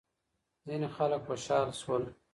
ځینې خلک خوشحال شول.